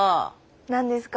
何ですか？